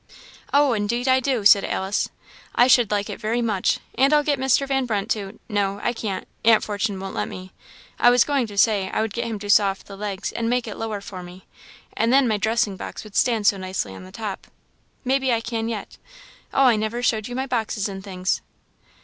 "Oh, indeed I do!" said Ellen: "I should like it very much, and I'll get Mr. Van Brunt to no, I can't, Aunt Fortune won't let me; I was going to say, I would get him to saw off the legs and make it lower for me, and then my dressing box would stand so nicely on the top. Maybe I can yet. Oh, I never showed you my boxes and things."